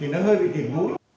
thì nó hơi bị thiền vũ